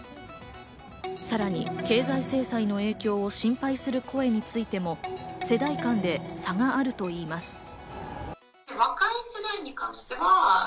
さらに経済制裁の影響を心配する声についても世代間で差があるといいます。